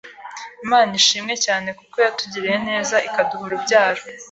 Imana ishimwe cyane kuko yatugiriye neza ikaduha urubyaro